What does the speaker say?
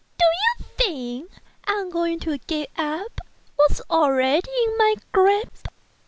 Do you think I am going to give up what is already in my grasp?"